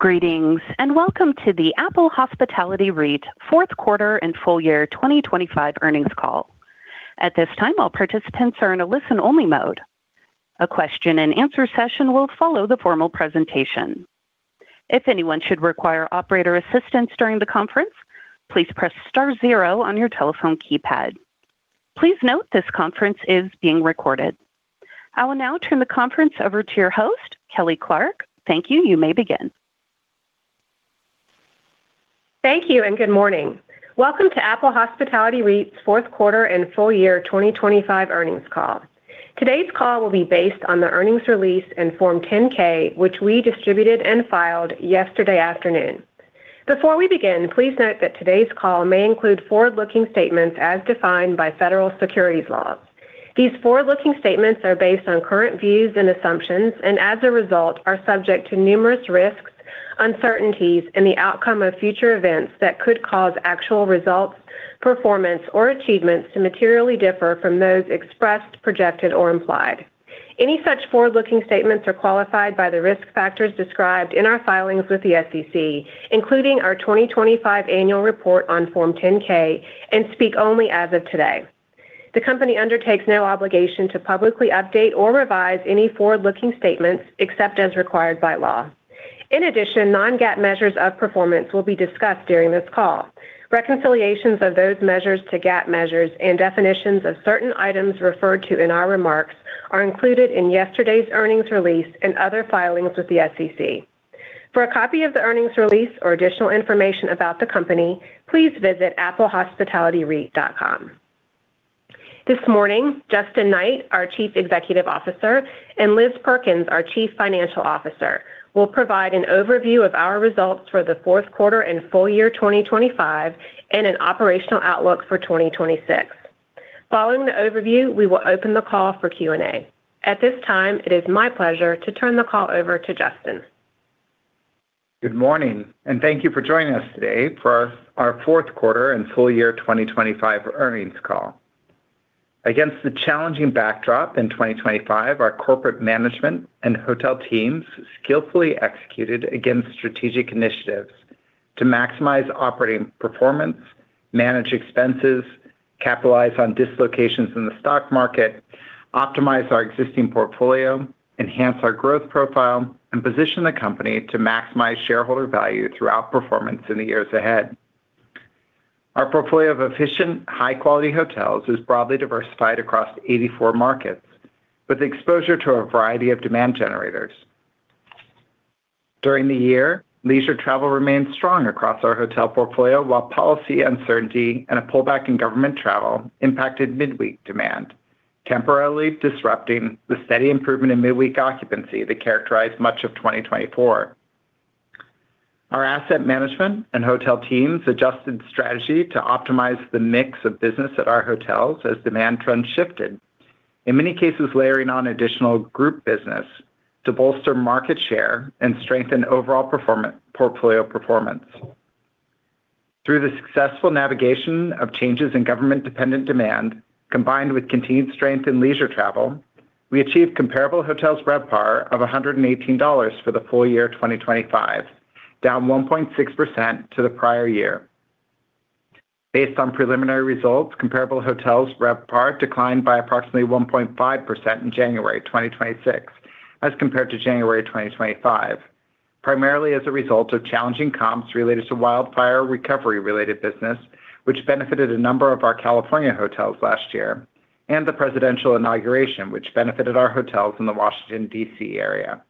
Greetings, and welcome to the Apple Hospitality REIT fourth quarter and full year 2025 earnings call. At this time, all participants are in a listen-only mode. A question and answer session will follow the formal presentation. If anyone should require operator assistance during the conference, please press star zero on your telephone keypad. Please note this conference is being recorded. I will now turn the conference over to your host, Kelly Clark. Thank you. You may begin. Thank you, and good morning. Welcome to Apple Hospitality REIT's fourth quarter and full year 2025 earnings call. Today's call will be based on the earnings release and Form 10-K, which we distributed and filed yesterday afternoon. Before we begin, please note that today's call may include forward-looking statements as defined by federal securities laws. These forward-looking statements are based on current views and assumptions, and as a result, are subject to numerous risks, uncertainties, and the outcome of future events that could cause actual results, performance, or achievements to materially differ from those expressed, projected, or implied. Any such forward-looking statements are qualified by the risk factors described in our filings with the SEC, including our 2025 annual report on Form 10-K, and speak only as of today. The company undertakes no obligation to publicly update or revise any forward-looking statements except as required by law. In addition, non-GAAP measures of performance will be discussed during this call. Reconciliations of those measures to GAAP measures and definitions of certain items referred to in our remarks are included in yesterday's earnings release and other filings with the SEC. For a copy of the earnings release or additional information about the company, please visit applehospitalityreit.com. This morning, Justin Knight, our Chief Executive Officer, and Liz Perkins, our Chief Financial Officer, will provide an overview of our results for the fourth quarter and full year 2025, and an operational outlook for 2026. Following the overview, we will open the call for Q&A. At this time, it is my pleasure to turn the call over to Justin. Good morning, and thank you for joining us today for our fourth quarter and full year 2025 earnings call. Against the challenging backdrop in 2025, our corporate management and hotel teams skillfully executed against strategic initiatives to maximize operating performance, manage expenses, capitalize on dislocations in the stock market, optimize our existing portfolio, enhance our growth profile, and position the company to maximize shareholder value throughout performance in the years ahead. Our portfolio of efficient, high-quality hotels is broadly diversified across 84 markets, with exposure to a variety of demand generators. During the year, leisure travel remained strong across our hotel portfolio, while policy uncertainty and a pullback in government travel impacted midweek demand, temporarily disrupting the steady improvement in midweek occupancy that characterized much of 2024. Our asset management and hotel teams adjusted strategy to optimize the mix of business at our hotels as demand trends shifted, in many cases, layering on additional group business to bolster market share and strengthen overall portfolio performance. Through the successful navigation of changes in government-dependent demand, combined with continued strength in leisure travel, we achieved comparable hotels RevPAR of $118 for the full year 2025, down 1.6% to the prior year. Based on preliminary results, comparable hotels RevPAR declined by approximately 1.5% in January 2026, as compared to January 2025, primarily as a result of challenging comps related to wildfire recovery-related business, which benefited a number of our California hotels last year, and the presidential inauguration, which benefited our hotels in the Washington, D.C., area.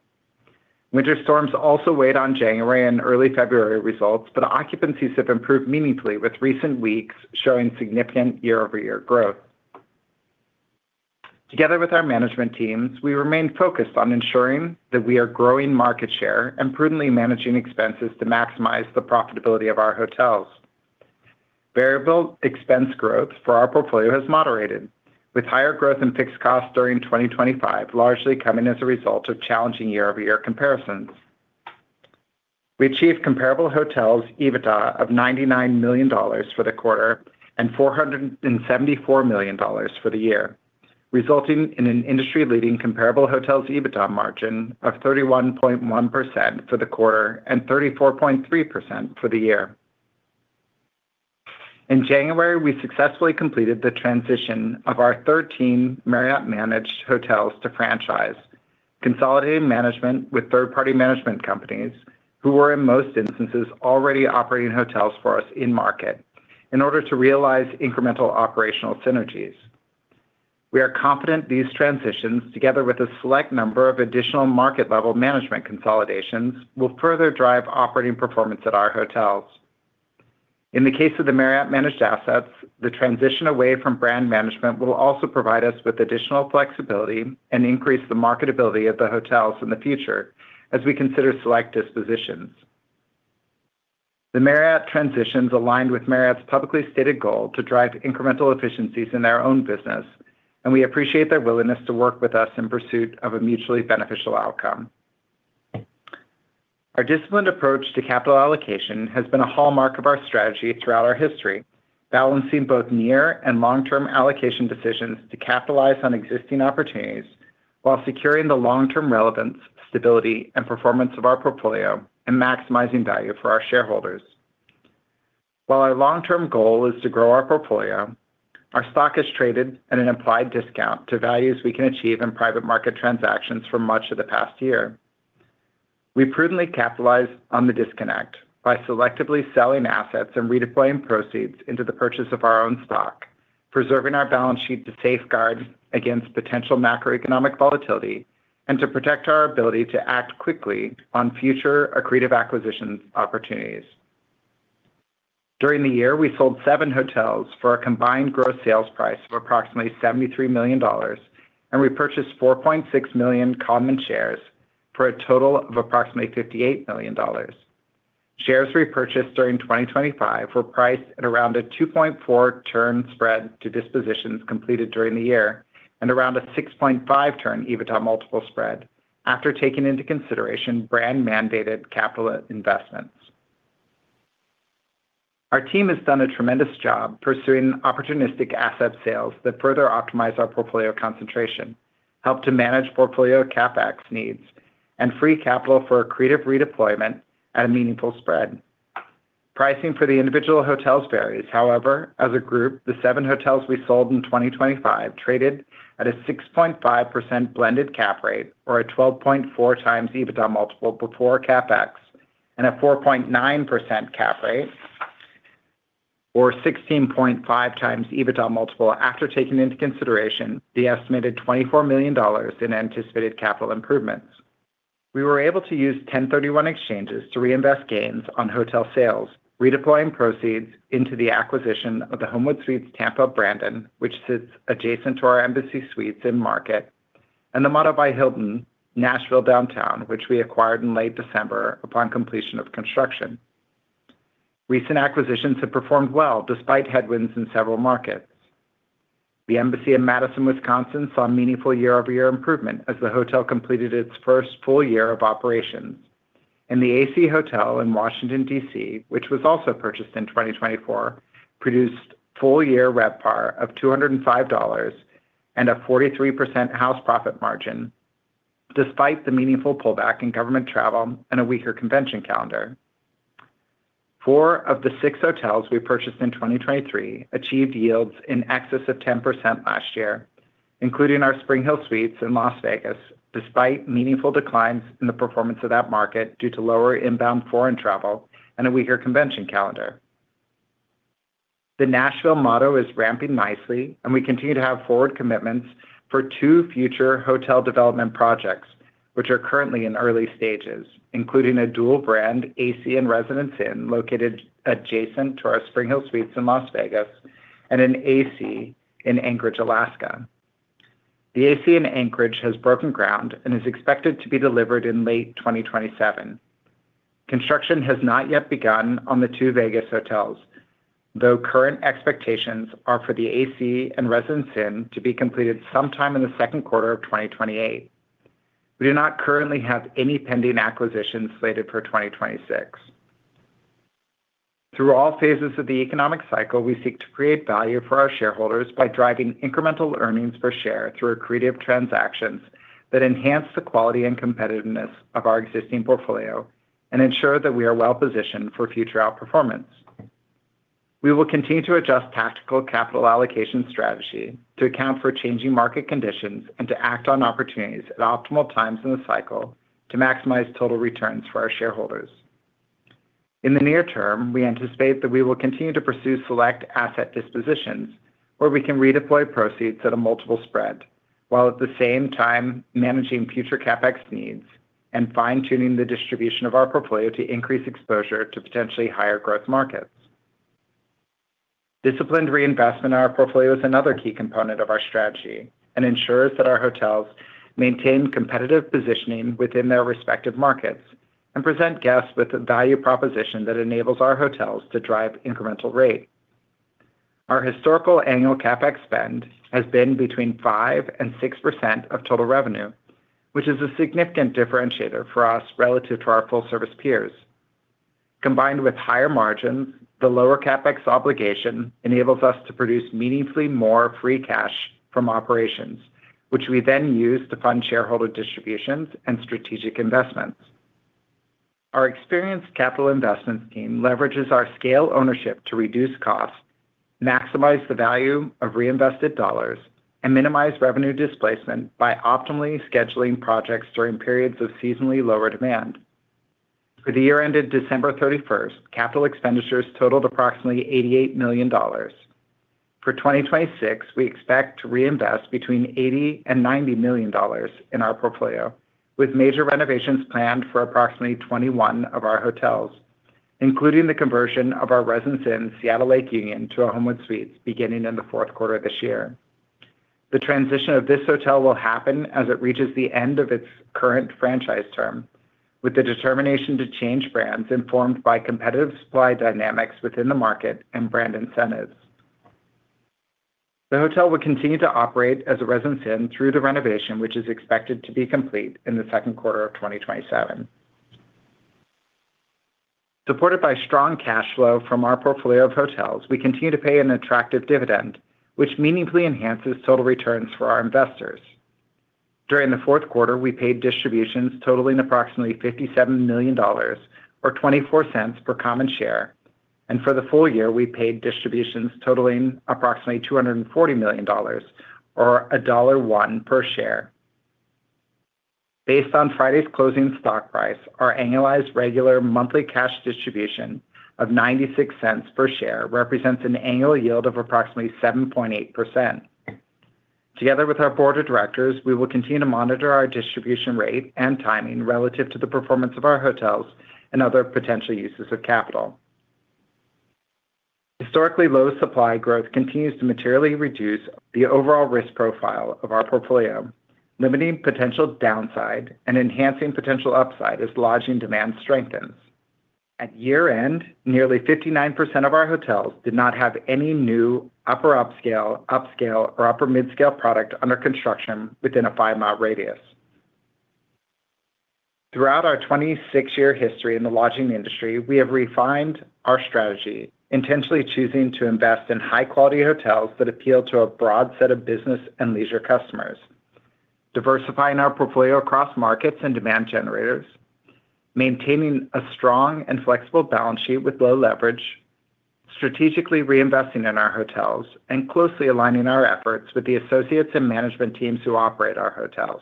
Winter storms also weighed on January and early February results. Occupancies have improved meaningfully, with recent weeks showing significant year-over-year growth. Together with our management teams, we remain focused on ensuring that we are growing market share and prudently managing expenses to maximize the profitability of our hotels. Variable expense growth for our portfolio has moderated, with higher growth in fixed costs during 2025, largely coming as a result of challenging year-over-year comparisons. We achieved comparable hotels EBITDA of $99 million for the quarter and $474 million for the year, resulting in an industry-leading comparable hotels EBITDA margin of 31.1% for the quarter and 34.3% for the year. In January, we successfully completed the transition of our 13 Marriott-managed hotels to franchise, consolidating management with third-party management companies who were, in most instances, already operating hotels for us in market in order to realize incremental operational synergies. We are confident these transitions, together with a select number of additional market-level management consolidations, will further drive operating performance at our hotels. In the case of the Marriott-managed assets, the transition away from brand management will also provide us with additional flexibility and increase the marketability of the hotels in the future as we consider select dispositions. The Marriott transitions aligned with Marriott's publicly stated goal to drive incremental efficiencies in their own business, and we appreciate their willingness to work with us in pursuit of a mutually beneficial outcome. Our disciplined approach to capital allocation has been a hallmark of our strategy throughout our history.... balancing both near and long-term allocation decisions to capitalize on existing opportunities, while securing the long-term relevance, stability, and performance of our portfolio, and maximizing value for our shareholders. While our long-term goal is to grow our portfolio, our stock is traded at an implied discount to values we can achieve in private market transactions for much of the past year. We prudently capitalized on the disconnect by selectively selling assets and redeploying proceeds into the purchase of our own stock, preserving our balance sheet to safeguard against potential macroeconomic volatility and to protect our ability to act quickly on future accretive acquisition opportunities. During the year, we sold seven hotels for a combined gross sales price of approximately $73 million, and we purchased 4.6 million common shares for a total of approximately $58 million. Shares repurchased during 2025 were priced at around a 2.4 turn spread to dispositions completed during the year and around a 6.5 turn EBITDA multiple spread after taking into consideration brand-mandated capital investments. Our team has done a tremendous job pursuing opportunistic asset sales that further optimize our portfolio concentration, help to manage portfolio CapEx needs, and free capital for accretive redeployment at a meaningful spread. Pricing for the individual hotels varies. As a group, the seven hotels we sold in 2025 traded at a 6.5% blended cap rate or a 12.4x EBITDA multiple before CapEx, and a 4.9% cap rate or 16.5x EBITDA multiple after taking into consideration the estimated $24 million in anticipated capital improvements. We were able to use 1031 exchanges to reinvest gains on hotel sales, redeploying proceeds into the acquisition of the Homewood Suites Tampa Brandon, which sits adjacent to our Embassy Suites in Market, and the Motto by Hilton, Nashville Downtown, which we acquired in late December upon completion of construction. Recent acquisitions have performed well despite headwinds in several markets. The Embassy in Madison, Wisconsin, saw a meaningful year-over-year improvement as the hotel completed its first full year of operations, and the AC Hotel in Washington, D.C., which was also purchased in 2024, produced full-year RevPAR of $205 and a 43% house profit margin, despite the meaningful pullback in government travel and a weaker convention calendar. Four of the six hotels we purchased in 2023 achieved yields in excess of 10% last year, including our SpringHill Suites in Las Vegas, despite meaningful declines in the performance of that market due to lower inbound foreign travel and a weaker convention calendar. The Nashville Motto is ramping nicely. We continue to have forward commitments for two future hotel development projects, which are currently in early stages, including a dual brand, AC and Residence Inn, located adjacent to our SpringHill Suites in Las Vegas and an AC in Anchorage, Alaska. The AC in Anchorage has broken ground and is expected to be delivered in late 2027. Construction has not yet begun on the two Vegas hotels, though current expectations are for the AC and Residence Inn to be completed sometime in the second quarter of 2028. We do not currently have any pending acquisitions slated for 2026. Through all phases of the economic cycle, we seek to create value for our shareholders by driving incremental earnings per share through accretive transactions that enhance the quality and competitiveness of our existing portfolio and ensure that we are well positioned for future outperformance. We will continue to adjust tactical capital allocation strategy to account for changing market conditions and to act on opportunities at optimal times in the cycle to maximize total returns for our shareholders. In the near term, we anticipate that we will continue to pursue select asset dispositions, where we can redeploy proceeds at a multiple spread, while at the same time managing future CapEx needs and fine-tuning the distribution of our portfolio to increase exposure to potentially higher growth markets. Disciplined reinvestment in our portfolio is another key component of our strategy and ensures that our hotels maintain competitive positioning within their respective markets and present guests with a value proposition that enables our hotels to drive incremental rate. Our historical annual CapEx spend has been between 5% and 6% of total revenue, which is a significant differentiator for us relative to our full-service peers. Combined with higher margins, the lower CapEx obligation enables us to produce meaningfully more free cash from operations, which we then use to fund shareholder distributions and strategic investments. Our experienced capital investments team leverages our scale ownership to reduce costs, maximize the value of reinvested dollars, and minimize revenue displacement by optimally scheduling projects during periods of seasonally lower demand. For the year ended December 31st, capital expenditures totaled approximately $88 million. For 2026, we expect to reinvest between $80 million and $90 million in our portfolio, with major renovations planned for approximately 21 of our hotels, including the conversion of our Residence Inn, Seattle Lake Union, to a Homewood Suites beginning in the fourth quarter this year. The transition of this hotel will happen as it reaches the end of its current franchise term, with the determination to change brands informed by competitive supply dynamics within the market and brand incentives. The hotel will continue to operate as a Residence Inn through the renovation, which is expected to be complete in the second quarter of 2027. Supported by strong cash flow from our portfolio of hotels, we continue to pay an attractive dividend, which meaningfully enhances total returns for our investors. During the fourth quarter, we paid distributions totaling approximately $57 million or $0.24 per common share, and for the full year, we paid distributions totaling approximately $240 million, or $1.01 per share. Based on Friday's closing stock price, our annualized regular monthly cash distribution of $0.96 per share represents an annual yield of approximately 7.8%. Together with our board of directors, we will continue to monitor our distribution rate and timing relative to the performance of our hotels and other potential uses of capital. Historically, low supply growth continues to materially reduce the overall risk profile of our portfolio, limiting potential downside and enhancing potential upside as lodging demand strengthens. At year-end, nearly 59% of our hotels did not have any new upper upscale, or upper mid-scale product under construction within a five-mile radius. Throughout our 26-year history in the lodging industry, we have refined our strategy, intentionally choosing to invest in high-quality hotels that appeal to a broad set of business and leisure customers, diversifying our portfolio across markets and demand generators, maintaining a strong and flexible balance sheet with low leverage, strategically reinvesting in our hotels, and closely aligning our efforts with the associates and management teams who operate our hotels.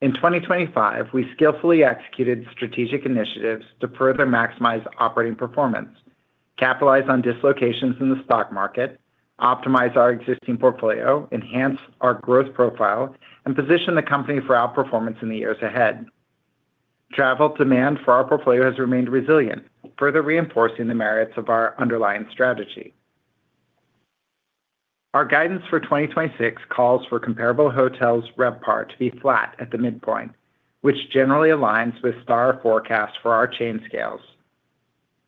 In 2025, we skillfully executed strategic initiatives to further maximize operating performance, capitalize on dislocations in the stock market, optimize our existing portfolio, enhance our growth profile, and position the company for outperformance in the years ahead. Travel demand for our portfolio has remained resilient, further reinforcing the merits of our underlying strategy. Our guidance for 2026 calls for comparable hotels' RevPAR to be flat at the midpoint, which generally aligns with STR forecasts for our chain scales.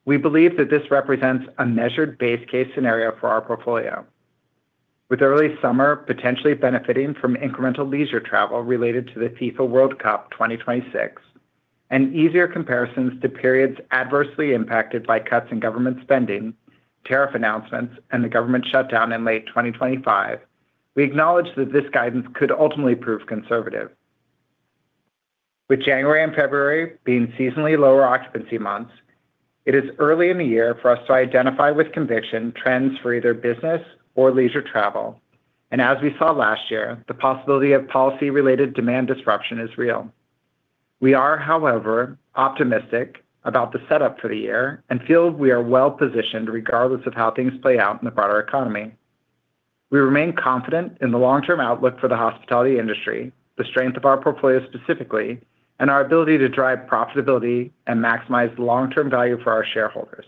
We believe that this represents a measured base case scenario for our portfolio. With early summer potentially benefiting from incremental leisure travel related to the FIFA World Cup 2026, and easier comparisons to periods adversely impacted by cuts in government spending, tariff announcements, and the government shutdown in late 2025, we acknowledge that this guidance could ultimately prove conservative. With January and February being seasonally lower occupancy months, it is early in the year for us to identify with conviction trends for either business or leisure travel, and as we saw last year, the possibility of policy-related demand disruption is real. We are, however, optimistic about the setup for the year and feel we are well-positioned regardless of how things play out in the broader economy. We remain confident in the long-term outlook for the hospitality industry, the strength of our portfolio specifically, and our ability to drive profitability and maximize long-term value for our shareholders.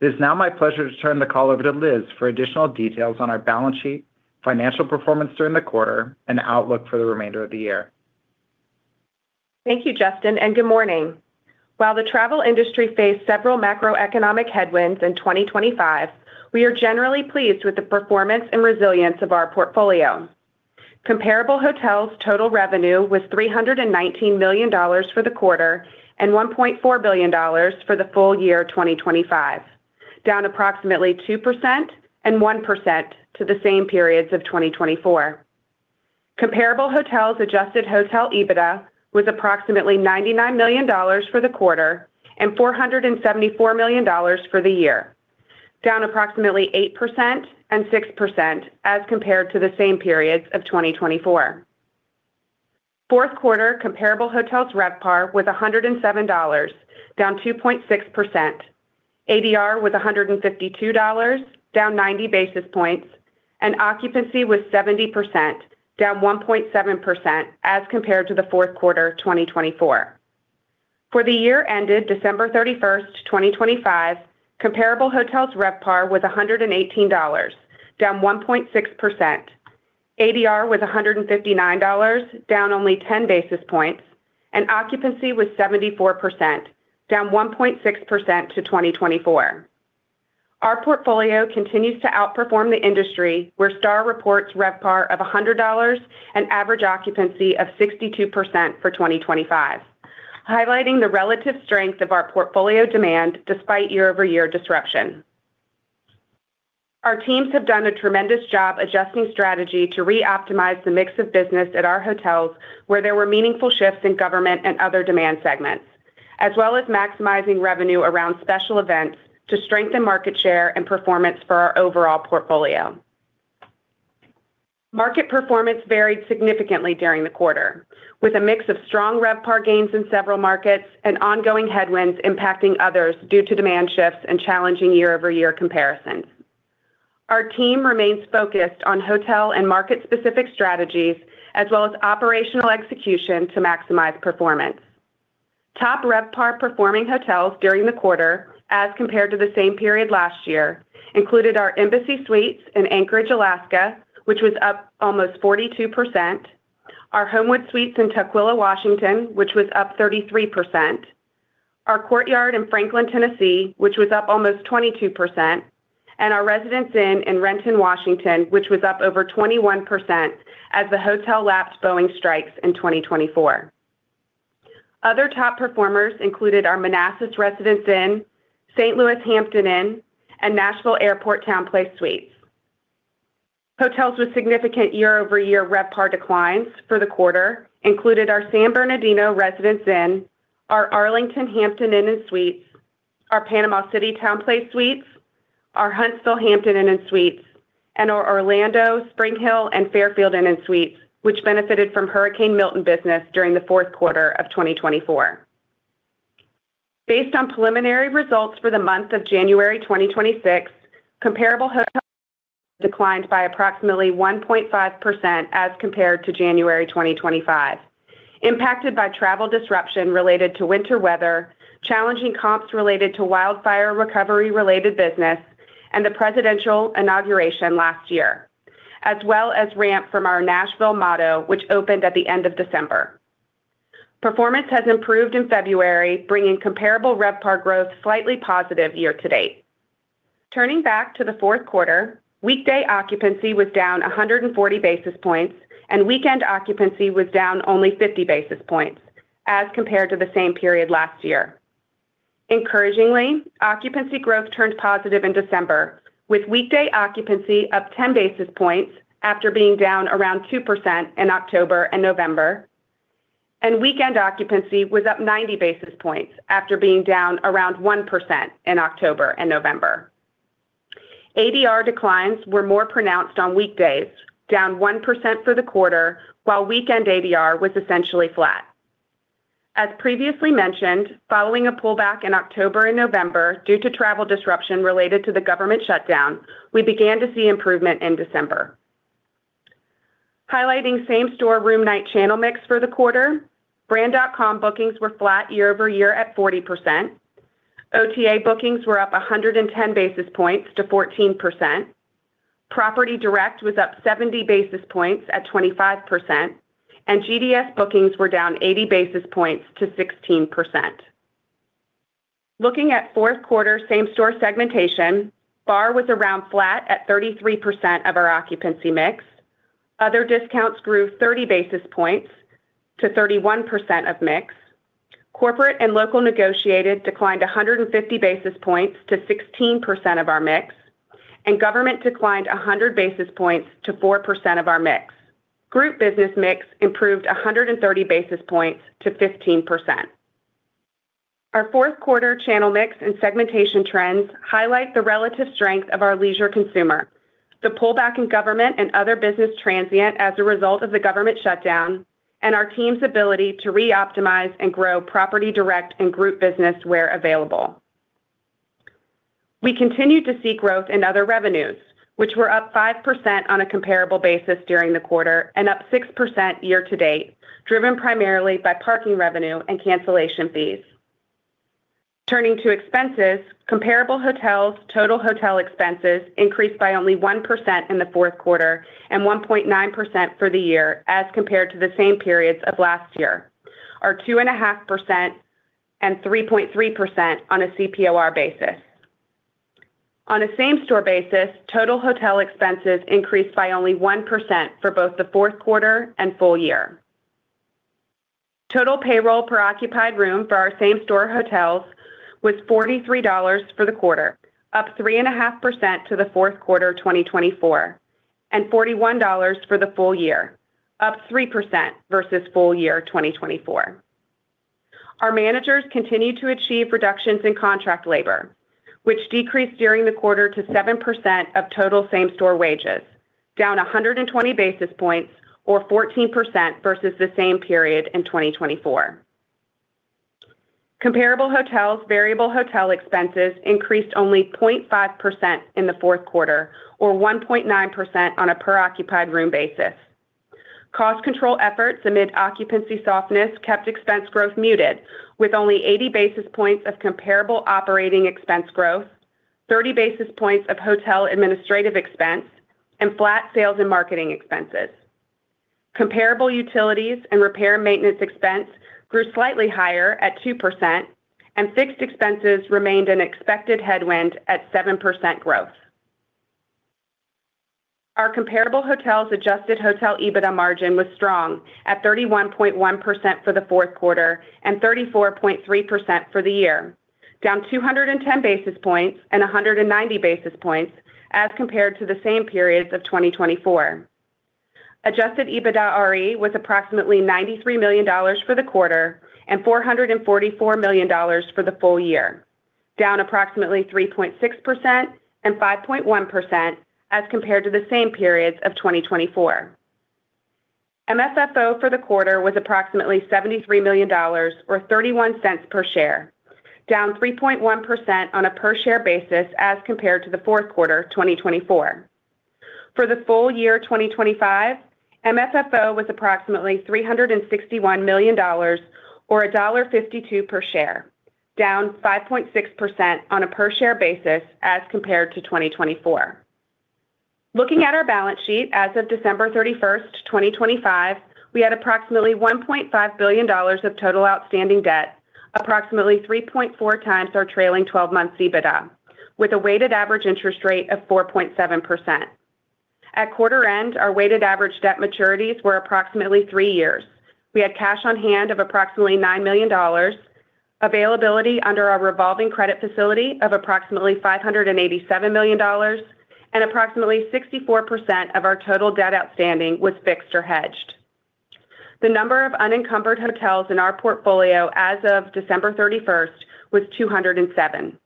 It is now my pleasure to turn the call over to Liz for additional details on our balance sheet, financial performance during the quarter, and outlook for the remainder of the year. Thank you, Justin. Good morning. While the travel industry faced several macroeconomic headwinds in 2025, we are generally pleased with the performance and resilience of our portfolio. Comparable hotels' total revenue was $319 million for the quarter and $1.4 billion for the full year 2025, down approximately 2% and 1% to the same periods of 2024. Comparable hotels' adjusted hotel EBITDA was approximately $99 million for the quarter and $474 million for the year, down approximately 8% and 6% as compared to the same periods of 2024. Fourth quarter comparable hotels RevPAR was $107, down 2.6%. ADR was $152, down 90 basis points. Occupancy was 70%, down 1.7% as compared to the fourth quarter of 2024. For the year ended December 31st, 2025, comparable hotels RevPAR was $118, down 1.6%. ADR was $159, down only 10 basis points. Occupancy was 74%, down 1.6% to 2024. Our portfolio continues to outperform the industry, where STR reports RevPAR of $100 and average occupancy of 62% for 2025, highlighting the relative strength of our portfolio demand despite year-over-year disruption. Our teams have done a tremendous job adjusting strategy to reoptimize the mix of business at our hotels, where there were meaningful shifts in government and other demand segments, as well as maximizing revenue around special events to strengthen market share and performance for our overall portfolio. Market performance varied significantly during the quarter, with a mix of strong RevPAR gains in several markets and ongoing headwinds impacting others due to demand shifts and challenging year-over-year comparisons. Our team remains focused on hotel and market-specific strategies, as well as operational execution to maximize performance. Top RevPAR performing hotels during the quarter, as compared to the same period last year, included our Embassy Suites in Anchorage, Alaska, which was up almost 42%, our Homewood Suites in Tukwila, Washington, which was up 33%. Our Courtyard in Franklin, Tennessee, which was up almost 22%, and our Residence Inn in Renton, Washington, which was up over 21% as the hotel lapsed Boeing strikes in 2024. Other top performers included our Manassas Residence Inn, St. Louis Hampton Inn, and Nashville Airport TownePlace Suites. Hotels with significant year-over-year RevPAR declines for the quarter included our San Bernardino Residence Inn, our Arlington Hampton Inn and Suites, our Panama City TownePlace Suites, our Huntsville Hampton Inn and Suites, and our Orlando, SpringHill, and Fairfield Inn and Suites, which benefited from Hurricane Milton business during the fourth quarter of 2024. Based on preliminary results for the month of January 2026, comparable declined by approximately 1.5% as compared to January 2025, impacted by travel disruption related to winter weather, challenging comps related to wildfire recovery-related business, and the presidential inauguration last year, as well as ramp from our Nashville Motto, which opened at the end of December. Performance has improved in February, bringing comparable RevPAR growth slightly positive year to date. Turning back to the fourth quarter, weekday occupancy was down 140 basis points, and weekend occupancy was down only 50 basis points as compared to the same period last year. Encouragingly, occupancy growth turned positive in December, with weekday occupancy up 10 basis points after being down around 2% in October and November, and weekend occupancy was up 90 basis points after being down around 1% in October and November. ADR declines were more pronounced on weekdays, down 1% for the quarter, while weekend ADR was essentially flat. As previously mentioned, following a pullback in October and November due to travel disruption related to the government shutdown, we began to see improvement in December. Highlighting same-store room night channel mix for the quarter, brand.com bookings were flat year-over-year at 40%, OTA bookings were up 110 basis points to 14%, property direct was up 70 basis points at 25%, and GDS bookings were down 80 basis points to 16%. Looking at fourth quarter same-store segmentation, BAR was around flat at 33% of our occupancy mix. Other discounts grew 30 basis points to 31% of mix. Corporate and local negotiated declined 150 basis points to 16% of our mix, and government declined 100 basis points to 4% of our mix. Group business mix improved 130 basis points to 15%. Our fourth quarter channel mix and segmentation trends highlight the relative strength of our leisure consumer, the pullback in government and other business transient as a result of the government shutdown, and our team's ability to reoptimize and grow property direct and group business where available. We continued to see growth in other revenues, which were up 5% on a comparable basis during the quarter and up 6% year to date, driven primarily by parking revenue and cancellation fees. Turning to expenses, comparable hotels, total hotel expenses increased by only 1% in the fourth quarter and 1.9% for the year as compared to the same periods of last year, or 2.5% and 3.3% on a CPOR basis. On a same-store basis, total hotel expenses increased by only 1% for both the fourth quarter and full year. Total payroll per occupied room for our same-store hotels was $43 for the quarter, up 3.5% to the fourth quarter of 2024, and $41 for the full year, up 3% versus full year 2024. Our managers continued to achieve reductions in contract labor, which decreased during the quarter to 7% of total same-store wages, down 120 basis points or 14% versus the same period in 2024. Comparable hotels' variable hotel expenses increased only 0.5% in the fourth quarter or 1.9% on a per occupied room basis. Cost control efforts amid occupancy softness kept expense growth muted, with only 80 basis points of comparable operating expense growth, 30 basis points of hotel administrative expense, and flat sales and marketing expenses. Comparable utilities and repair maintenance expense grew slightly higher at 2%, and fixed expenses remained an expected headwind at 7% growth. Our comparable hotels Adjusted hotel EBITDA margin was strong at 31.1% for the fourth quarter and 34.3% for the year, down 210 basis points and 190 basis points as compared to the same periods of 2024. Adjusted EBITDAre was approximately $93 million for the quarter and $444 million for the full year, down approximately 3.6% and 5.1% as compared to the same periods of 2024. FFO for the quarter was approximately $73 million or $0.31 per share, down 3.1% on a per share basis as compared to the fourth quarter of 2024. For the full year 2025, MFFO was approximately $361 million or $1.52 per share, down 5.6% on a per share basis as compared to 2024. Looking at our balance sheet as of December 31st, 2025, we had approximately $1.5 billion of total outstanding debt, approximately 3.4x our trailing twelve-month EBITDA, with a weighted average interest rate of 4.7%. At quarter end, our weighted average debt maturities were approximately three years. We had cash on hand of approximately $9 million, availability under our revolving credit facility of approximately $587 million, and approximately 64% of our total debt outstanding was fixed or hedged. The number of unencumbered hotels in our portfolio as of December 31st was 207.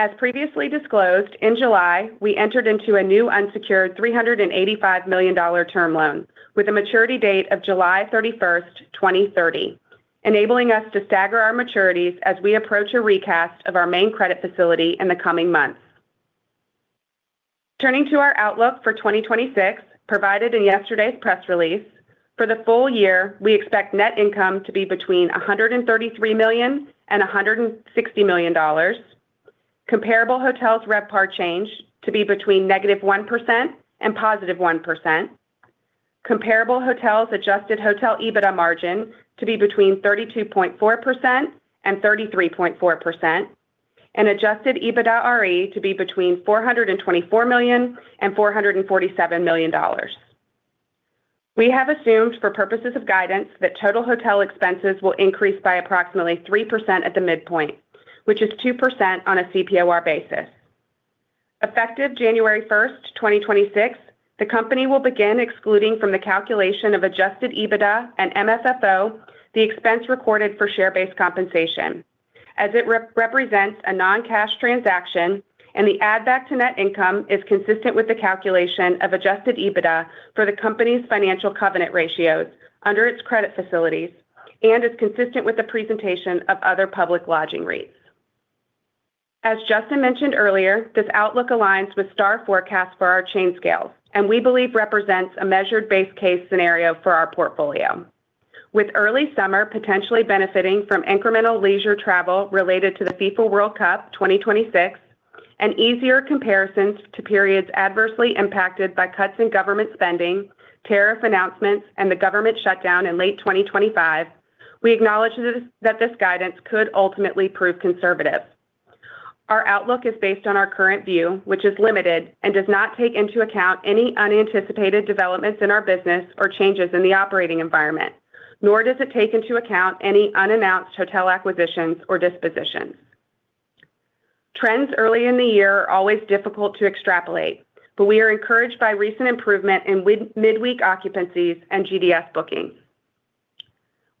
As previously disclosed, in July, we entered into a new unsecured $385 million term loan with a maturity date of July 31, 2030, enabling us to stagger our maturities as we approach a recast of our main credit facility in the coming months. Turning to our outlook for 2026, provided in yesterday's press release, for the full year, we expect net income to be between $133 million and $160 million. Comparable hotels RevPAR change to be between -1% and +1%. Comparable hotels adjusted hotel EBITDA margin to be between 32.4% and 33.4%, and Adjusted EBITDAre to be between $424 million and $447 million. We have assumed, for purposes of guidance, that total hotel expenses will increase by approximately 3% at the midpoint, which is 2% on a CPOR basis. Effective January 1st, 2026, the company will begin excluding from the calculation of Adjusted EBITDA and MFFO, the expense recorded for share-based compensation, as it represents a non-cash transaction and the add back to net income is consistent with the calculation of Adjusted EBITDA for the company's financial covenant ratios under its credit facilities and is consistent with the presentation of other public lodging rates. As Justin mentioned earlier, this outlook aligns with STR forecast for our chain scales and we believe represents a measured base case scenario for our portfolio. With early summer potentially benefiting from incremental leisure travel related to the FIFA World Cup 2026, and easier comparisons to periods adversely impacted by cuts in government spending, tariff announcements, and the government shutdown in late 2025, we acknowledge that this guidance could ultimately prove conservative. Our outlook is based on our current view, which is limited and does not take into account any unanticipated developments in our business or changes in the operating environment, nor does it take into account any unannounced hotel acquisitions or dispositions. Trends early in the year are always difficult to extrapolate, but we are encouraged by recent improvement in mid- midweek occupancies and GDS bookings.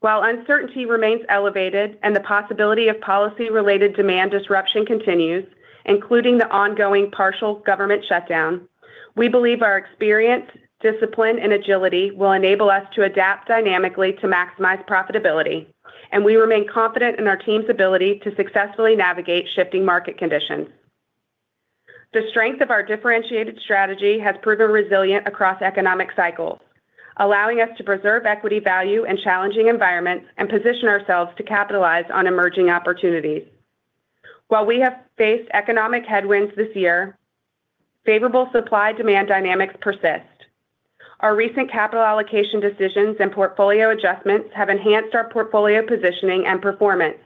While uncertainty remains elevated and the possibility of policy-related demand disruption continues, including the ongoing partial government shutdown, we believe our experience, discipline, and agility will enable us to adapt dynamically to maximize profitability, and we remain confident in our team's ability to successfully navigate shifting market conditions. The strength of our differentiated strategy has proven resilient across economic cycles, allowing us to preserve equity value in challenging environments and position ourselves to capitalize on emerging opportunities. While we have faced economic headwinds this year, favorable supply demand dynamics persist. Our recent capital allocation decisions and portfolio adjustments have enhanced our portfolio positioning and performance,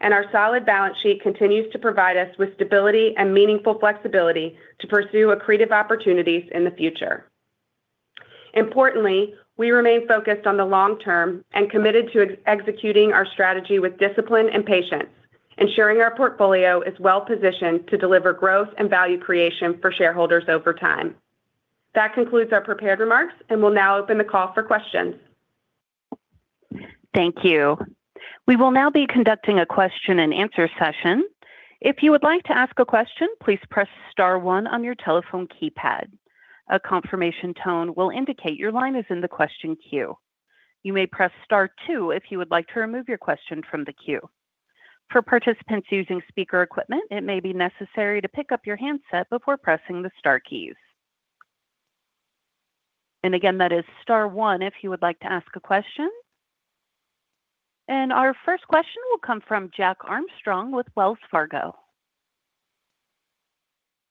and our solid balance sheet continues to provide us with stability and meaningful flexibility to pursue accretive opportunities in the future. Importantly, we remain focused on the long term and committed to executing our strategy with discipline and patience, ensuring our portfolio is well positioned to deliver growth and value creation for shareholders over time. That concludes our prepared remarks. We'll now open the call for questions. Thank you. We will now be conducting a question and answer session. If you would like to ask a question, please press star one on your telephone keypad. A confirmation tone will indicate your line is in the question queue. You may press star two if you would like to remove your question from the queue. For participants using speaker equipment, it may be necessary to pick up your handset before pressing the star keys. Again, that is star one, if you would like to ask a question. Our first question will come from Jack Armstrong with Wells Fargo.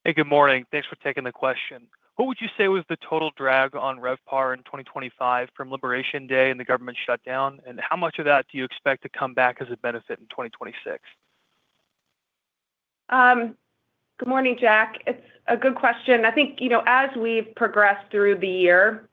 Hey, good morning. Thanks for taking the question. What would you say was the total drag on RevPAR in 2025 from Liberation Day and the government shutdown? How much of that do you expect to come back as a benefit in 2026? Good morning, Jack. It's a good question. I think, you know, as we've progressed through the year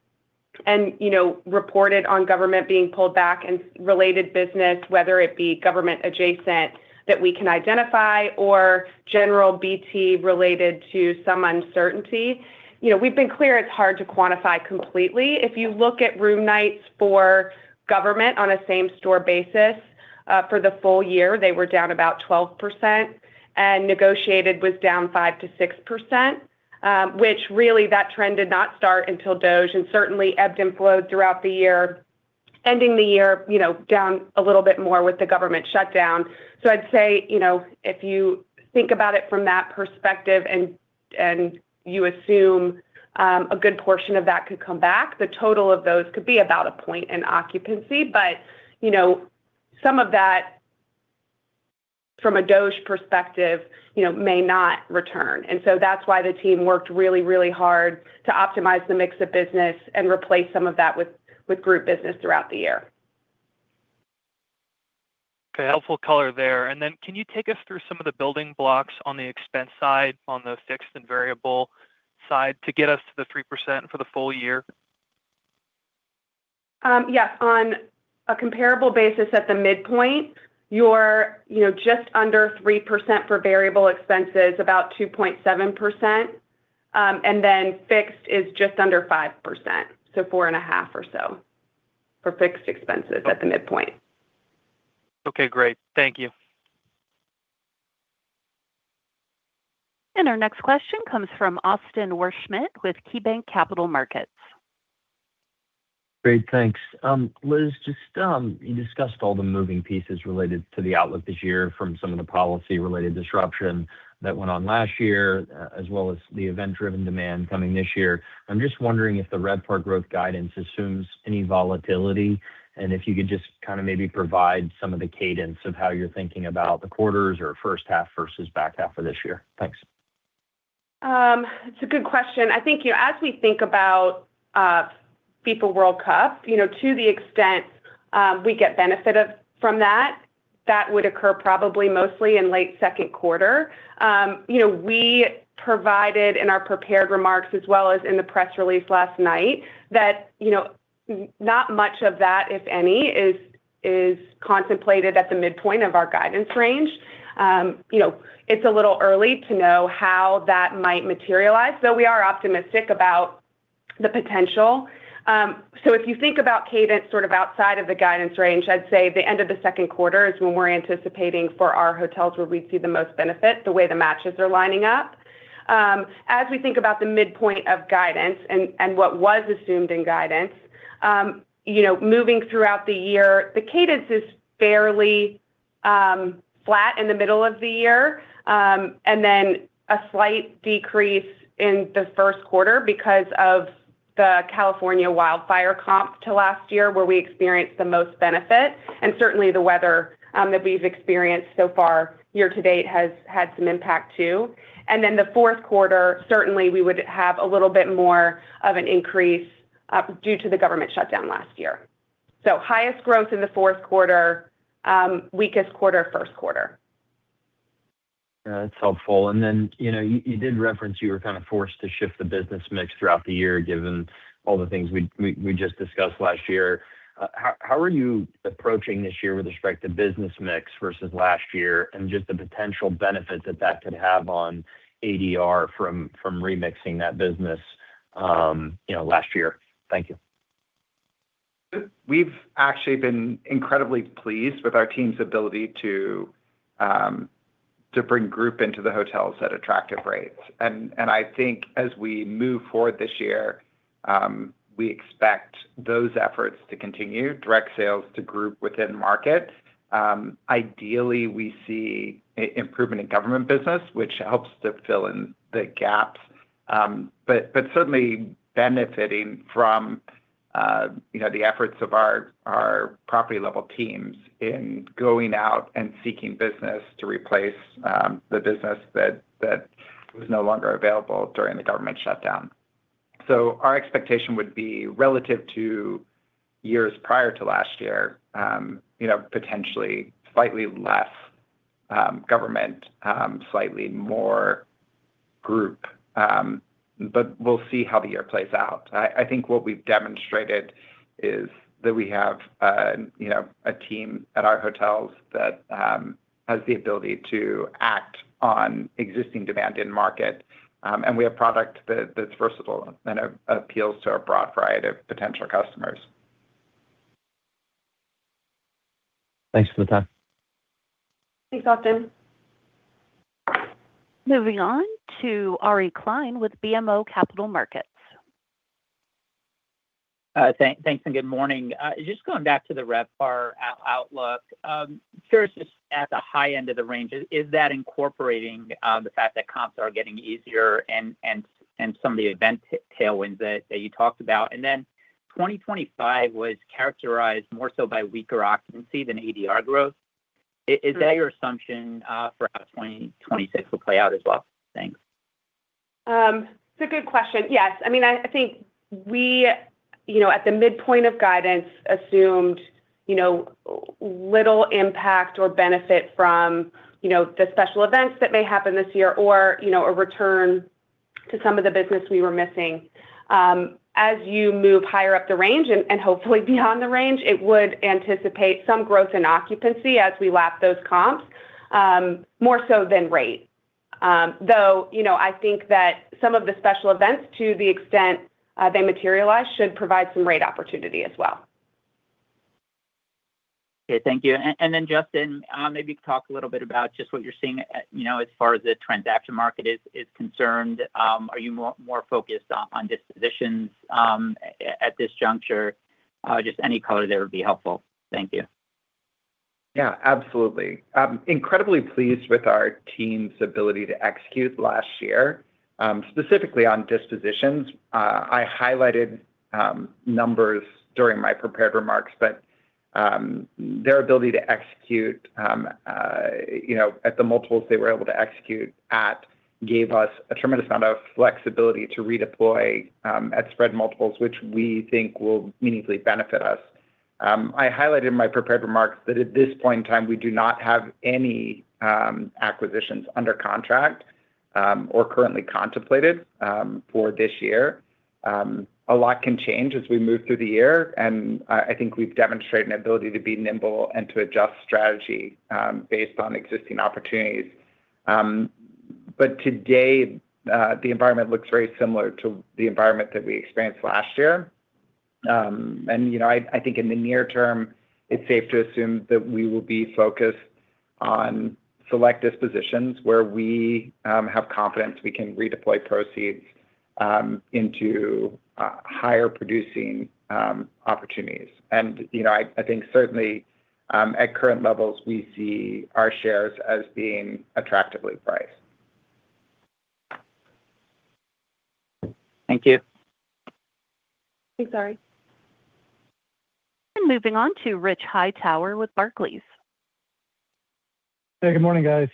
and, you know, reported on government being pulled back and related business, whether it be government adjacent that we can identify or general BT related to some uncertainty, you know, we've been clear it's hard to quantify completely. If you look at room nights for government on a same-store basis, for the full year, they were down about 12%, and negotiated was down 5%-6%, which really, that trend did not start until DOGE, and certainly ebbed and flowed throughout the year, ending the year, you know, down a little bit more with the government shutdown. I'd say, you know, if you think about it from that perspective and you assume, a good portion of that could come back, the total of those could be about a point in occupancy. You know, some of that, from a DOGE perspective, you know, may not return. That's why the team worked really, really hard to optimize the mix of business and replace some of that with group business throughout the year. Okay, helpful color there. Can you take us through some of the building blocks on the expense side, on the fixed and variable side to get us to the 3% for the full year? Yes. On a comparable basis at the midpoint, you're, you know, just under 3% for variable expenses, about 2.7%. Fixed is just under 5%, so 4.5% or so for fixed expenses at the midpoint. Okay, great. Thank you. Our next question comes from Austin Wurschmidt with KeyBanc Capital Markets. Great, thanks. Liz, just, you discussed all the moving pieces related to the outlook this year from some of the policy-related disruption that went on last year, as well as the event-driven demand coming this year. I'm just wondering if the RevPAR growth guidance assumes any volatility, and if you could just kind of maybe provide some of the cadence of how you're thinking about the quarters or first half versus back half of this year. Thanks. It's a good question. I think, you know, as we think about FIFA World Cup, you know, to the extent we get benefit of from that would occur probably mostly in late second quarter. You know, we provided in our prepared remarks, as well as in the press release last night, that, you know, not much of that, if any, is contemplated at the midpoint of our guidance range. You know, it's a little early to know how that might materialize, but we are optimistic about the potential. If you think about cadence sort of outside of the guidance range, I'd say the end of the second quarter is when we're anticipating for our hotels, where we see the most benefit, the way the matches are lining up. As we think about the midpoint of guidance and what was assumed in guidance, you know, moving throughout the year, the cadence is fairly flat in the middle of the year. Then a slight decrease in the first quarter because of the California wildfire comp to last year, where we experienced the most benefit, and certainly the weather that we've experienced so far year-to-date has had some impact too. The fourth quarter, certainly we would have a little bit more of an increase due to the government shutdown last year. Highest growth in the fourth quarter, weakest quarter, first quarter. Yeah, that's helpful. You know, you did reference you were kind of forced to shift the business mix throughout the year, given all the things we just discussed last year. How are you approaching this year with respect to business mix versus last year and just the potential benefit that that could have on ADR from remixing that business, you know, last year? Thank you. We've actually been incredibly pleased with our team's ability to bring group into the hotels at attractive rates. I think as we move forward this year, we expect those efforts to continue, direct sales to group within market. Ideally, we see improvement in government business, which helps to fill in the gaps, but certainly benefiting from, you know, the efforts of our property-level teams in going out and seeking business to replace, the business that was no longer available during the government shutdown. Our expectation would be relative to years prior to last year, you know, potentially slightly less, government, slightly more group, but we'll see how the year plays out. I think what we've demonstrated is that we have a, you know, a team at our hotels that has the ability to act on existing demand in market, and we have product that's versatile and appeals to a broad variety of potential customers. Thanks for the time. Thanks, Austin. Moving on to Ari Klein with BMO Capital Markets. Thanks and good morning. Just going back to the RevPAR outlook, curious, just at the high end of the range, is that incorporating the fact that comps are getting easier and some of the event tailwinds that you talked about? Then 2025 was characterized more so by weaker occupancy than ADR growth. Right. Is that your assumption for how 2026 will play out as well? Thanks. It's a good question. Yes. I mean, I think we, you know, at the midpoint of guidance, assumed, you know, little impact or benefit from, you know, the special events that may happen this year or, you know, a return to some of the business we were missing. As you move higher up the range and hopefully beyond the range, it would anticipate some growth in occupancy as we lap those comps, more so than rate. Though, you know, I think that some of the special events, to the extent they materialize, should provide some rate opportunity as well. Okay, thank you. Then Justin, maybe talk a little bit about just what you're seeing, you know, as far as the transaction market is concerned. Are you more focused on dispositions at this juncture? Just any color there would be helpful. Thank you. Yeah, absolutely. I'm incredibly pleased with our team's ability to execute last year. Specifically on dispositions, I highlighted numbers during my prepared remarks, but their ability to execute, you know, at the multiples they were able to execute at, gave us a tremendous amount of flexibility to redeploy at spread multiples, which we think will meaningfully benefit us. I highlighted in my prepared remarks that at this point in time, we do not have any acquisitions under contract or currently contemplated for this year. A lot can change as we move through the year, and I think we've demonstrated an ability to be nimble and to adjust strategy based on existing opportunities. Today, the environment looks very similar to the environment that we experienced last year. You know, I think in the near term, it's safe to assume that we will be focused on select dispositions where we have confidence we can redeploy proceeds into higher producing opportunities. You know, I think certainly, at current levels, we see our shares as being attractively priced. Thank you. Thanks, Ari. Moving on to Rich Hightower with Barclays. Hey, good morning, guys.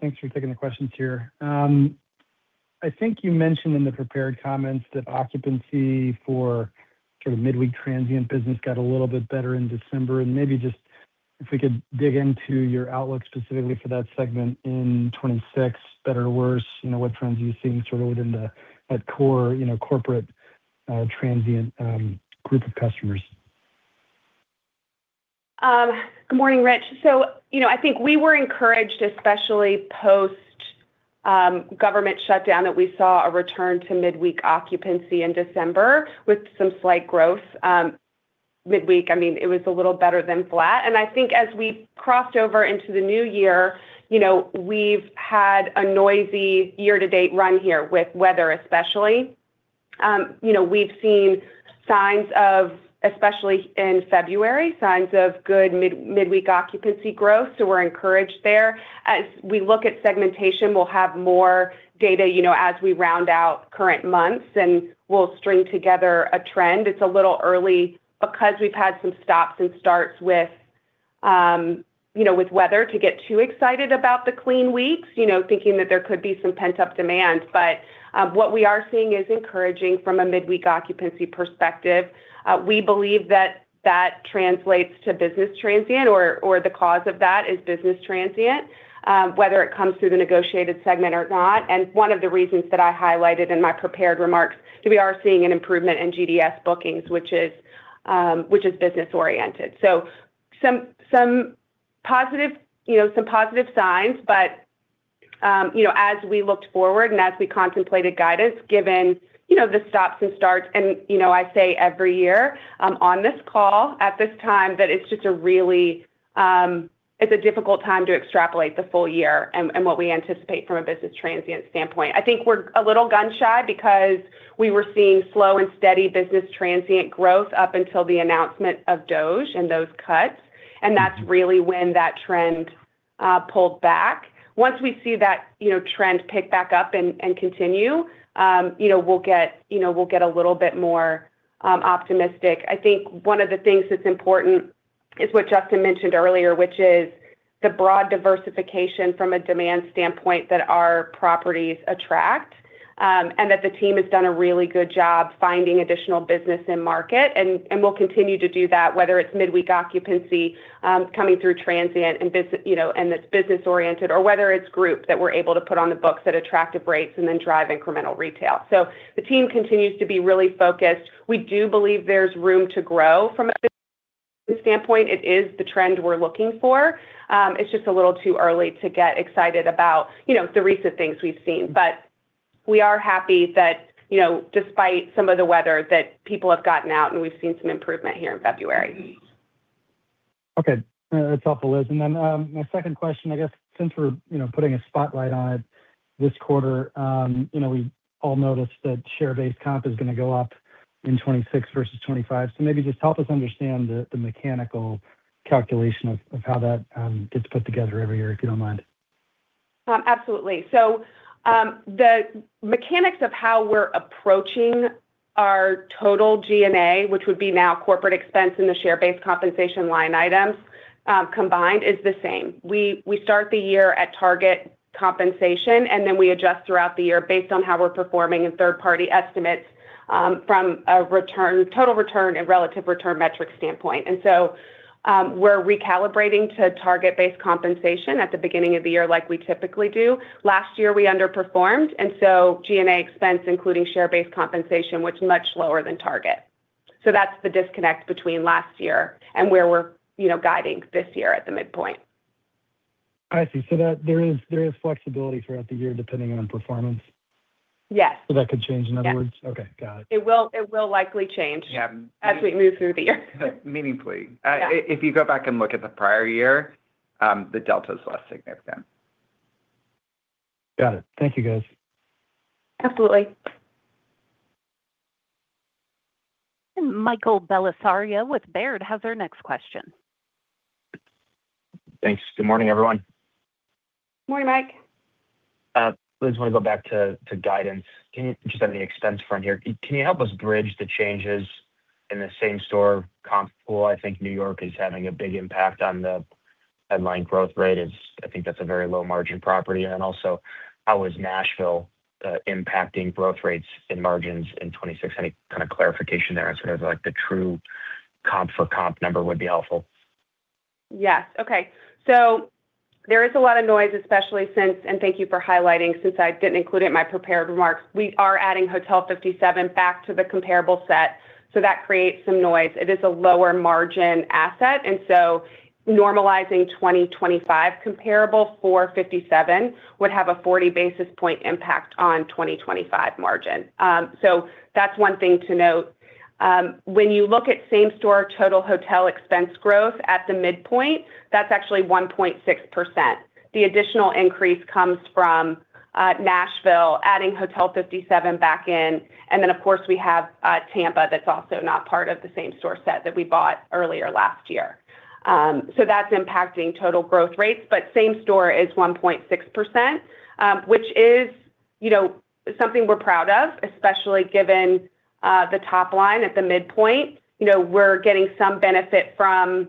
Thanks for taking the questions here. I think you mentioned in the prepared comments that occupancy for sort of midweek transient business got a little bit better in December. Maybe just if we could dig into your outlook specifically for that segment in 2026, better or worse, you know, what trends are you seeing sort of within the, that core, you know, corporate, transient, group of customers? Good morning, Rich. You know, I think we were encouraged, especially post government shutdown, that we saw a return to midweek occupancy in December with some slight growth midweek. I mean, it was a little better than flat. I think as we crossed over into the new year, you know, we've had a noisy year-to-date run here with weather, especially. You know, we've seen signs of, especially in February, signs of good midweek occupancy growth, so we're encouraged there. As we look at segmentation, we'll have more data, you know, as we round out current months, and we'll string together a trend. It's a little early because we've had some stops and starts with, you know, with weather to get too excited about the clean weeks, you know, thinking that there could be some pent-up demand. What we are seeing is encouraging from a midweek occupancy perspective. We believe that that translates to business transient or the cause of that is business transient, whether it comes through the negotiated segment or not. One of the reasons that I highlighted in my prepared remarks, is we are seeing an improvement in GDS bookings, which is business-oriented. Some positive, you know, some positive signs, but, you know, as we looked forward and as we contemplated guidance, given, you know, the stops and starts, and, you know, I say every year, on this call at this time, that it's just a really, it's a difficult time to extrapolate the full year and what we anticipate from a business transient standpoint. I think we're a little gun-shy because we were seeing slow and steady business transient growth up until the announcement of DOGE and those cuts. That's really when that trend pulled back. Once we see that, you know, trend pick back up and continue, you know, we'll get a little bit more optimistic. I think one of the things that's important is what Justin mentioned earlier, which is the broad diversification from a demand standpoint that our properties attract. That the team has done a really good job finding additional business in market. We'll continue to do that, whether it's midweek occupancy coming through transient and visit, you know, and that's business-oriented, or whether it's group that we're able to put on the books at attractive rates and then drive incremental retail. The team continues to be really focused. We do believe there's room to grow from a standpoint. It is the trend we're looking for. It's just a little too early to get excited about, you know, the recent things we've seen. We are happy that, you know, despite some of the weather, that people have gotten out, and we've seen some improvement here in February. Okay. That's helpful, Liz. My second question, I guess since we're, you know, putting a spotlight on it this quarter, you know, we all noticed that share-based comp is gonna go up in 2026 versus 2025. Maybe just help us understand the mechanical calculation of how that gets put together every year, if you don't mind. Absolutely. The mechanics of how we're approaching our total G&A, which would be now corporate expense in the share-based compensation line items, combined, is the same. We start the year at target compensation, we adjust throughout the year based on how we're performing and third-party estimates, from a return, total return and relative return metric standpoint. We're recalibrating to target-based compensation at the beginning of the year, like we typically do. Last year, we underperformed, G&A expense, including share-based compensation, was much lower than target. That's the disconnect between last year and where we're, you know, guiding this year at the midpoint. I see. That there is flexibility throughout the year, depending on performance? Yes. That could change, in other words? Yes. Okay, got it. It will likely. Yeah... as we move through the year. Meaningfully. Yeah. If you go back and look at the prior year, the delta is less significant. Got it. Thank you, guys. Absolutely. Bye. Michael Bellisario with Baird has our next question. Thanks. Good morning, everyone. Good morning, Mike. I just want to go back to guidance. Can you just on the expense front here, can you help us bridge the changes in the same store comp pool? I think New York is having a big impact on the headline growth rate. I think that's a very low margin property. How is Nashville impacting growth rates and margins in 2026? Any kind of clarification there as sort of like the true comp for comp number would be helpful. Yes. Okay. There is a lot of noise, especially since... thank you for highlighting, since I didn't include it in my prepared remarks. We are adding Hotel 57 back to the comparable set, that creates some noise. It is a lower margin asset, normalizing 2025 comparable for 57 would have a 40 basis point impact on 2025 margin. That's one thing to note. When you look at same-store total hotel expense growth at the midpoint, that's actually 1.6%. The additional increase comes from Nashville, adding Hotel 57 back in, of course, we have Tampa, that's also not part of the same-store set that we bought earlier last year. That's impacting total growth rates, but same store is 1.6%, which is, you know, something we're proud of, especially given the top line at the midpoint. You know, we're getting some benefit from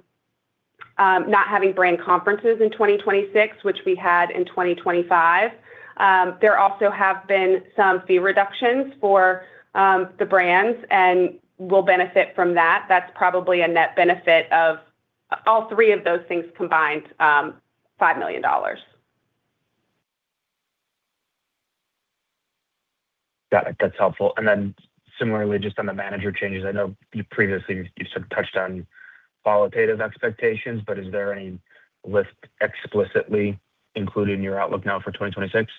not having brand conferences in 2026, which we had in 2025. There also have been some fee reductions for the brands, and we'll benefit from that. That's probably a net benefit of all three of those things combined, $5 million. Got it. That's helpful. Similarly, just on the manager changes, I know you previously, you sort of touched on qualitative expectations, but is there any lift explicitly included in your outlook now for 2026?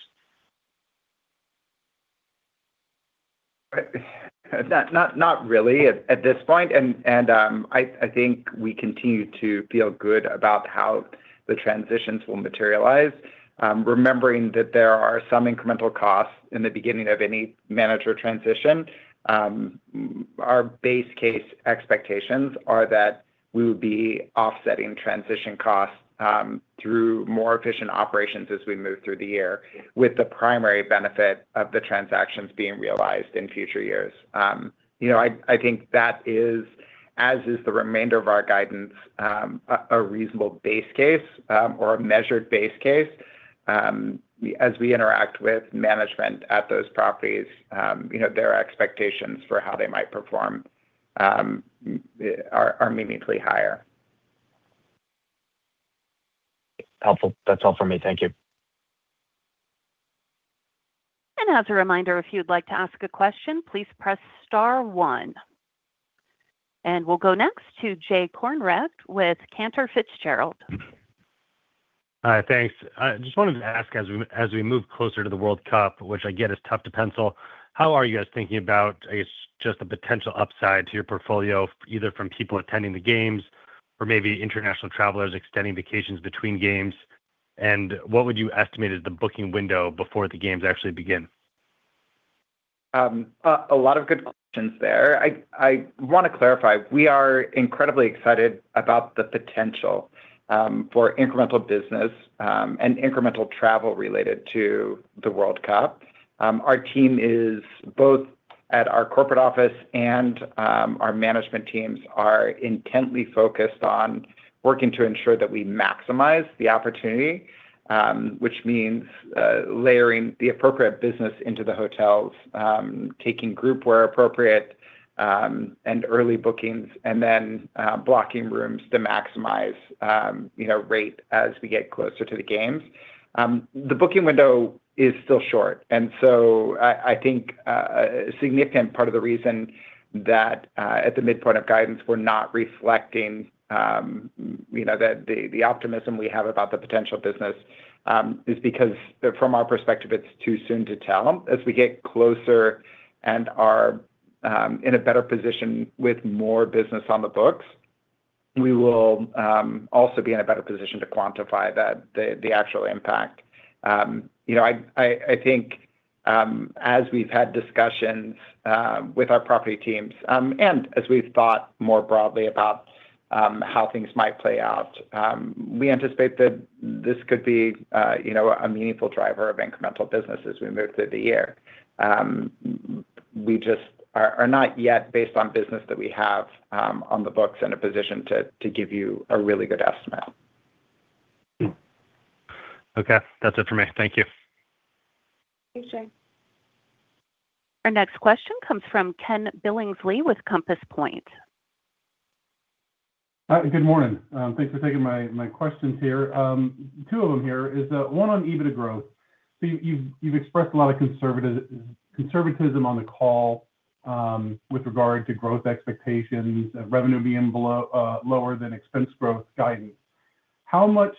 Not really at this point, and I think we continue to feel good about how the transitions will materialize. Remembering that there are some incremental costs in the beginning of any manager transition, our base case expectations are that we will be offsetting transition costs through more efficient operations as we move through the year, with the primary benefit of the transactions being realized in future years. You know, I think that is, as is the remainder of our guidance, a reasonable base case, or a measured base case. As we interact with management at those properties, you know, their expectations for how they might perform are meaningfully higher. Helpful. That's all for me. Thank you. As a reminder, if you'd like to ask a question, please press star one. We'll go next to Jay Kornreich with Cantor Fitzgerald. Hi, thanks. I just wanted to ask, as we move closer to the World Cup, which I get is tough to pencil, how are you guys thinking about, I guess, just the potential upside to your portfolio, either from people attending the games or maybe international travelers extending vacations between games? What would you estimate is the booking window before the games actually begin? A lot of good questions there. I want to clarify, we are incredibly excited about the potential for incremental business and incremental travel related to the World Cup. Our team is both at our corporate office and our management teams are intently focused on working to ensure that we maximize the opportunity, which means layering the appropriate business into the hotels, taking group where appropriate, and early bookings, and then blocking rooms to maximize, you know, rate as we get closer to the games. The booking window is still short. I think a significant part of the reason that at the midpoint of guidance, we're not reflecting, you know, the optimism we have about the potential business is because from our perspective, it's too soon to tell. As we get closer and are in a better position with more business on the books, we will also be in a better position to quantify the actual impact. You know, I think as we've had discussions with our property teams, and as we've thought more broadly about how things might play out, we anticipate that this could be, you know, a meaningful driver of incremental business as we move through the year. We just are not yet, based on business that we have on the books, in a position to give you a really good estimate. Okay, that's it for me. Thank you. Thanks, Jay. Our next question comes from Ken Billingsley with Compass Point. Hi, good morning. Thanks for taking my questions here. Two of them here is one on EBITDA growth. So you've expressed a lot of conservatism on the call, with regard to growth expectations, revenue being below, lower than expense growth guidance. How much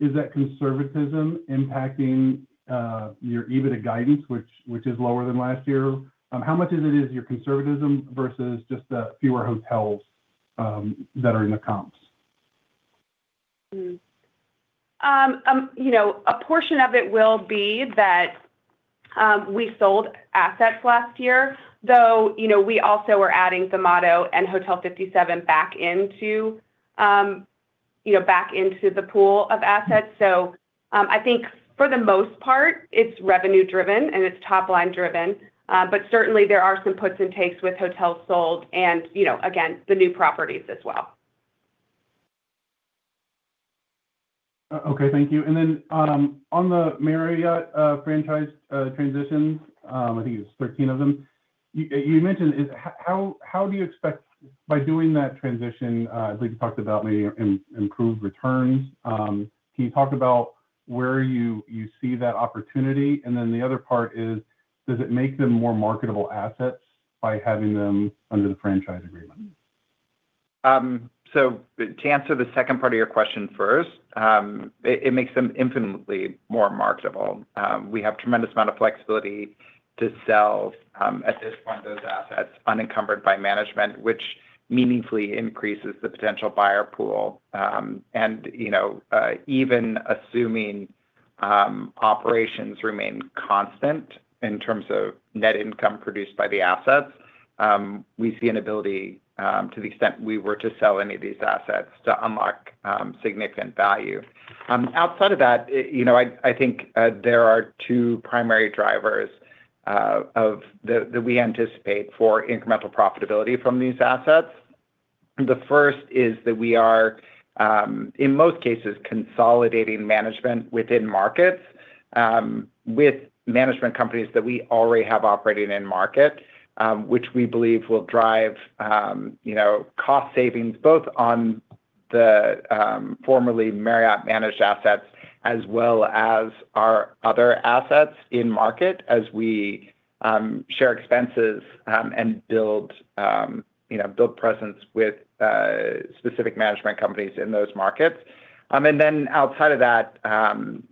is that conservatism impacting your EBITDA guidance, which is lower than last year? How much of it is your conservatism versus just the fewer hotels that are in the comps? You know, a portion of it will be that, we sold assets last year, though, you know, we also were adding AC Hotel the model and Hotel 57 back into, you know, back into the pool of assets. I think for the most part, it's revenue-driven and it's top-line driven, but certainly there are some puts and takes with hotels sold and, you know, again, the new properties as well. Okay, thank you. On the Marriott franchise transitions, I think it's 13 of them. You mentioned how do you expect by doing that transition, as we talked about maybe improved returns, can you talk about where you see that opportunity? The other part is, does it make them more marketable assets by having them under the franchise agreement? To answer the second part of your question first, it makes them infinitely more marketable. We have tremendous amount of flexibility to sell, at this point, those assets unencumbered by management, which meaningfully increases the potential buyer pool. You know, even assuming operations remain constant in terms of net income produced by the assets, we see an ability, to the extent we were to sell any of these assets to unlock significant value. Outside of that, you know, I think there are two primary drivers of that we anticipate for incremental profitability from these assets. The first is that we are, in most cases, consolidating management within markets, with management companies that we already have operating in market, which we believe will drive, you know, cost savings both on the, formerly Marriott-managed assets, as well as our other assets in market as we, share expenses, and build, you know, build presence with, specific management companies in those markets. Outside of that,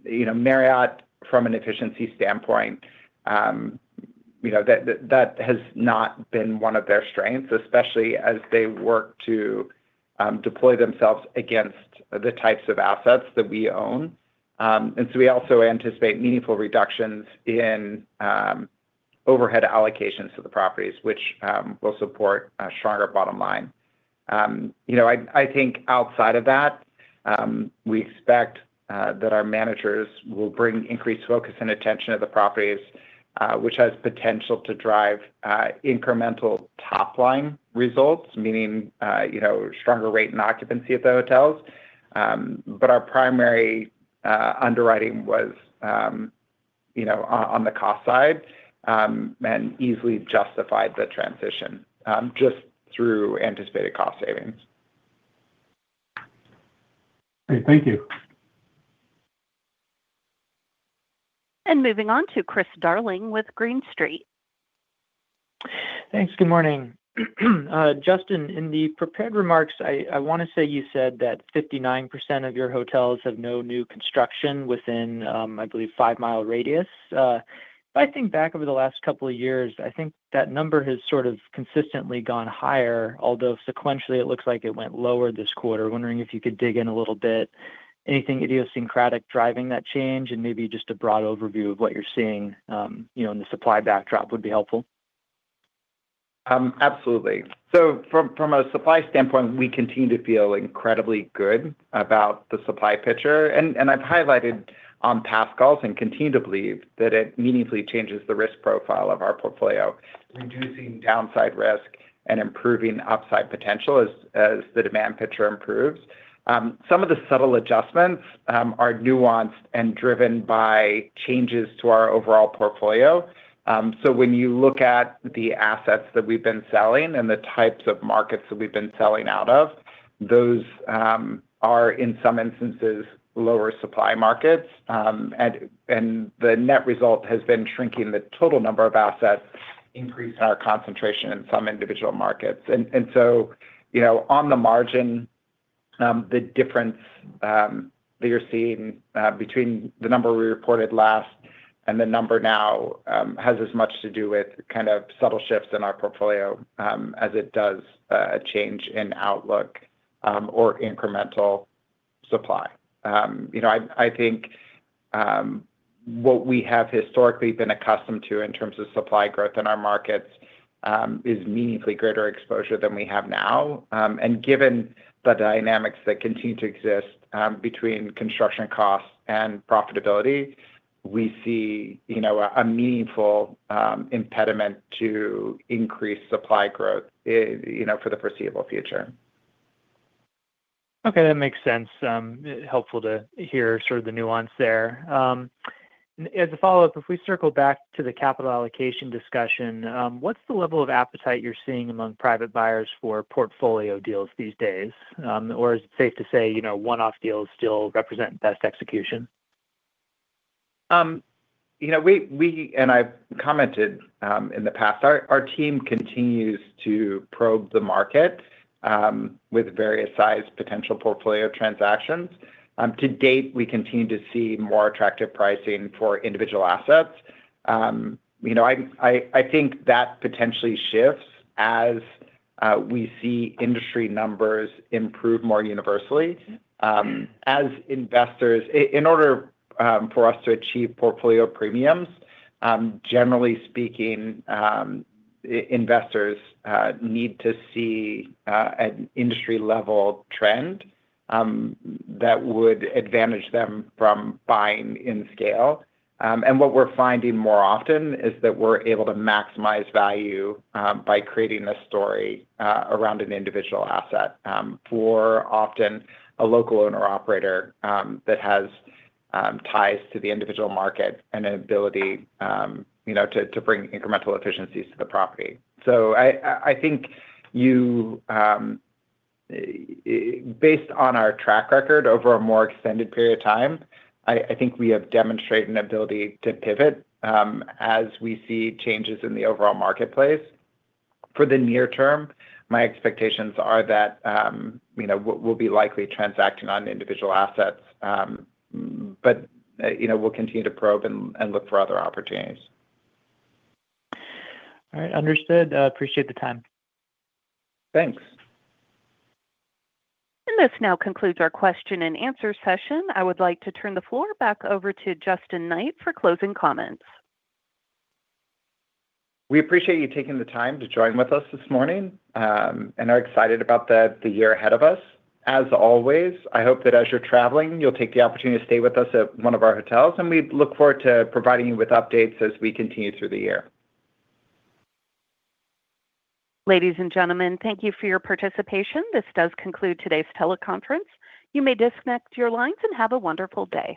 you know, Marriott, from an efficiency standpoint, you know, that has not been one of their strengths, especially as they work to, deploy themselves against the types of assets that we own. We also anticipate meaningful reductions in, overhead allocations to the properties, which, will support a stronger bottom line. you know, I think outside of that, we expect that our managers will bring increased focus and attention to the properties, which has potential to drive incremental top-line results, meaning, you know, stronger rate and occupancy at the hotels. Our primary underwriting was, you know, on the cost side, and easily justified the transition just through anticipated cost savings. Great, thank you. Moving on to Chris Darling with Green Street. Thanks. Good morning. Justin, in the prepared remarks, I want to say you said that 59% of your hotels have no new construction within, I believe, 5-mi radius. I think back over the last couple of years, I think that number has sort of consistently gone higher, although sequentially, it looks like it went lower this quarter. Wondering if you could dig in a little bit, anything idiosyncratic driving that change, and maybe just a broad overview of what you're seeing, you know, in the supply backdrop would be helpful. Absolutely. From a supply standpoint, we continue to feel incredibly good about the supply picture, and I've highlighted on past calls and continue to believe that it meaningfully changes the risk profile of our portfolio, reducing downside risk and improving upside potential as the demand picture improves. Some of the subtle adjustments are nuanced and driven by changes to our overall portfolio. When you look at the assets that we've been selling and the types of markets that we've been selling out of, those are, in some instances, lower supply markets. The net result has been shrinking the total number of assets, increasing our concentration in some individual markets. You know, on the margin, the difference that you're seeing between the number we reported last and the number now has as much to do with kind of subtle shifts in our portfolio as it does a change in outlook or incremental supply. You know, I think, what we have historically been accustomed to in terms of supply growth in our markets is meaningfully greater exposure than we have now. Given the dynamics that continue to exist between construction costs and profitability, we see, you know, a meaningful impediment to increased supply growth, you know, for the foreseeable future. Okay, that makes sense. Helpful to hear sort of the nuance there. As a follow-up, if we circle back to the capital allocation discussion, what's the level of appetite you're seeing among private buyers for portfolio deals these days? Or is it safe to say, you know, one-off deals still represent best execution? You know, we and I've commented in the past, our team continues to probe the market with various sized potential portfolio transactions. To date, we continue to see more attractive pricing for individual assets. You know, I, I think that potentially shifts as we see industry numbers improve more universally. As investors, in order for us to achieve portfolio premiums, generally speaking, investors need to see an industry-level trend that would advantage them from buying in scale. What we're finding more often is that we're able to maximize value by creating a story around an individual asset for often a local owner-operator that has ties to the individual market and an ability, you know, to bring incremental efficiencies to the property. I think you based on our track record over a more extended period of time, I think we have demonstrated an ability to pivot as we see changes in the overall marketplace. For the near term, my expectations are that, you know, we'll be likely transacting on individual assets, but, you know, we'll continue to probe and look for other opportunities. All right. Understood. Appreciate the time. Thanks. This now concludes our question and answer session. I would like to turn the floor back over to Justin Knight for closing comments. We appreciate you taking the time to join with us this morning, and are excited about the year ahead of us. As always, I hope that as you're traveling, you'll take the opportunity to stay with us at one of our hotels, and we look forward to providing you with updates as we continue through the year. Ladies and gentlemen, thank you for your participation. This does conclude today's teleconference. You may disconnect your lines, and have a wonderful day.